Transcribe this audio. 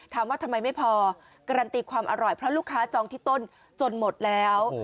ทำไมไม่พอการันตีความอร่อยเพราะลูกค้าจองที่ต้นจนหมดแล้ว